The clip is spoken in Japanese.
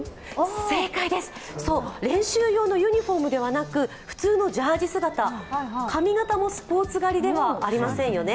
正解です、練習用のユニフォームではなく普通のジャージ姿、髪形もスポーツ刈りではありませんよね。